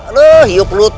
aduh hiup pelut